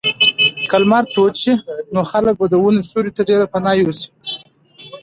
که لمر تود شي نو خلک به د ونو سیوري ته ډېر پناه یوسي.